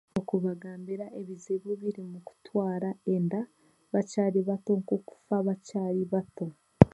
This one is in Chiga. Okubagambira ebizibu by'okutwara enda bakyari bato nk'okufa baakyari bato